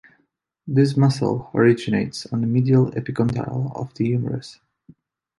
This muscle originates on the medial epicondyle of the humerus.